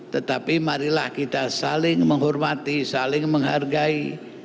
tetapi marilah kita saling menghormati saling menghargai